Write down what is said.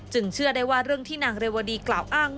เชื่อได้ว่าเรื่องที่นางเรวดีกล่าวอ้าง